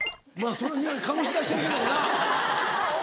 そのにおい醸し出してるけどな。